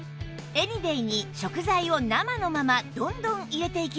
エニデイに食材を生のままどんどん入れていきます